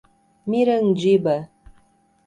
Mirandiba